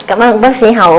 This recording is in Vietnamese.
dạ cảm ơn bác sĩ hậu